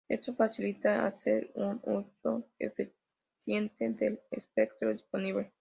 Esto facilita hacer un uso eficiente del espectro disponible.